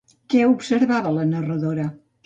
Què observava la narradora?